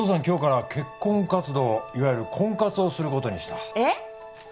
今日から結婚活動いわゆる婚活をすることにしたえっ？